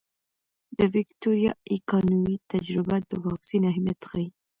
د ویکتوریا ایکانوي تجربه د واکسین اهمیت ښيي.